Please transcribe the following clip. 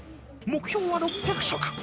目標は６００食。